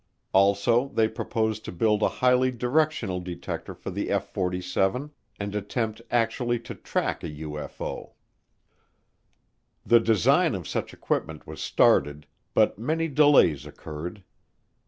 Also, they proposed to build a highly directional detector for the F 47 and attempt actually to track a UFO. The design of such equipment was started, but many delays occurred.